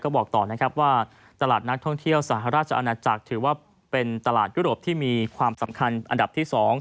ก็บอกต่อนะครับว่าตลาดนักท่องเที่ยวสหราชอาณาจักรถือว่าเป็นตลาดยุโรปที่มีความสำคัญอันดับที่๒